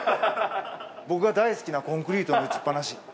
僕が大好きなコンクリートの打ちっぱなし。